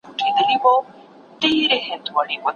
موږ کيسۍ بيا نه حلوو.